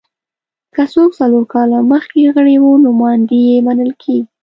که څوک څلور کاله مخکې غړي وو نوماندي یې منل کېږي